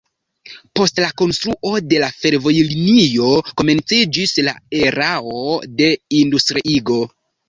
Post la konstruo de la fervojlinio komenciĝis la erao de industriigo.